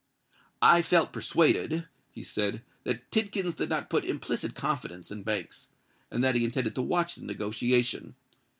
"I felt persuaded," he said, "that Tidkins did not put implicit confidence in Banks, and that he intended to watch the negotiation.